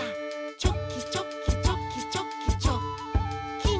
「チョキチョキチョキチョキチョッキン！」